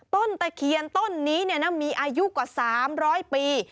ตะเคียนต้นนี้มีอายุกว่า๓๐๐ปี